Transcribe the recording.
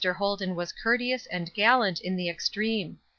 Holden was courteous and gallant in the extreme.